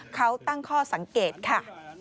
เขาตั้งข้อสังเกตค่ะ